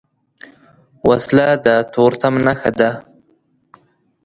وسله د تورتم نښه ده